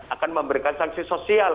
akan memberikan sanksi sosial